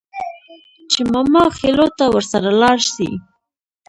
چې ماماخېلو ته ورسره لاړه شي.